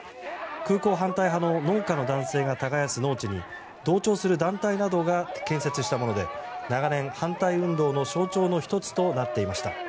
空港反対派の農家の男性が耕す農地に同調する団体が設置したもので長年、反対運動の象徴の１つとなっていました。